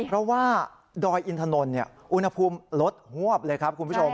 เพราะว่าดอยอินถนนอุณหภูมิลดฮวบเลยครับคุณผู้ชม